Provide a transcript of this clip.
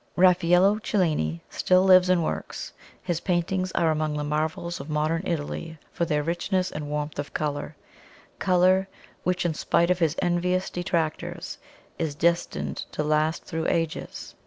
Raffaello Cellini still lives and works; his paintings are among the marvels of modern Italy for their richness and warmth of colour colour which, in spite of his envious detractors, is destined to last through ages.